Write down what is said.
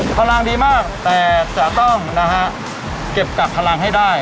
พลังดีมากแต่จะต้องนะฮะเก็บกับพลังให้ได้